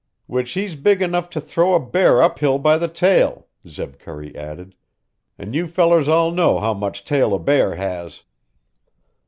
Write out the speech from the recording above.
"Which he's big enough to throw a bear uphill by the tail," Zeb Curry added, "an' you fellers all know how much tail a bear has."